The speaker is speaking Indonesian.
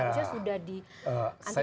seharusnya sudah diantisipasi